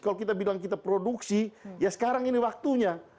kalau kita bilang kita produksi ya sekarang ini waktunya